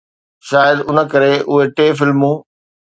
شايد ان ڪري اهي ٽي فلمون